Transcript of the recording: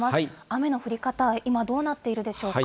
雨の降り方、今、どうなっているでしょうか。